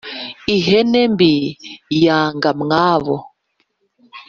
Ihene mbi yanga mwabo.